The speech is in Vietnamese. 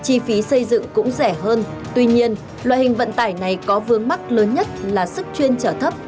chi phí xây dựng cũng rẻ hơn tuy nhiên loại hình vận tải này có vướng mắc lớn nhất là sức chuyên trở thấp